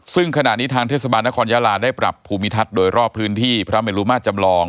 ซึ่งขณะนี้ทางเทศบาลนครยาลาได้ปรับภูมิทัศน์โดยรอบพื้นที่พระเมลุมาตรจำลอง